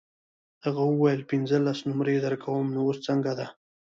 هغه وویل پنځلس نمرې درکوم نو اوس څنګه ده.